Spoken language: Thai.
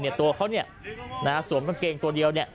ตัวเขาเนี่ยนะฮะสวมกางเกงตัวเดียวเนี่ย